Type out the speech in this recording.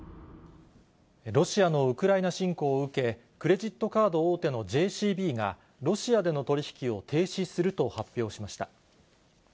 ロシアのウクライナ侵攻を受け、クレジットカード大手のＪＣＢが、ロシアでの取り引きを停止すると発表しました。